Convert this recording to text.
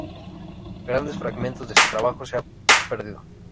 Grandes fragmentos de su trabajo se han perdido.